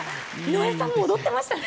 井上さんも踊ってましたね。